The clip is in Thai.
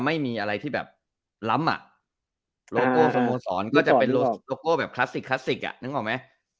ไม่มีอะไรที่แบบล้ำอ่ะโลโก้สโมสรก็จะเป็นโลโก้แบบคลาสสิกคลาสสิกอ่ะนึกออกไหม